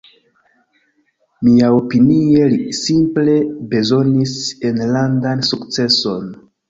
Miaopinie li simple bezonis enlandan sukceson.